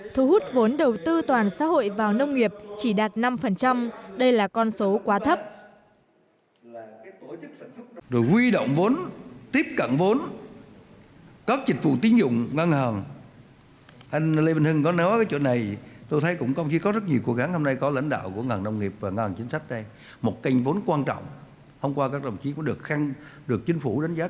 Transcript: thu hút vốn đầu tư toàn xã hội vào nông nghiệp chỉ đạt năm đây là con số quá thấp